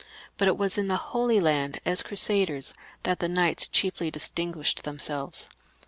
But it was in the Holy Land as Crusaders that the knights chiefly distinguished themselves.